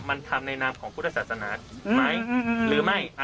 คำรมาทรีย์สอนก็ของพระพุทธเจ้า